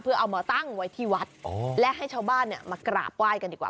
เพื่อเอามาตั้งไว้ที่วัดและให้ชาวบ้านมากราบไหว้กันดีกว่า